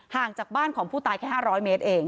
ห่างจากบ้านของผู้ตายแค่๕๐๐เมตรเอง